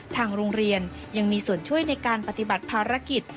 ทางโรงเรียนยังมีส่วนช่วยในการปฏิบัติภารกิจ